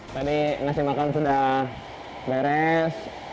tadi nasi makan sudah beres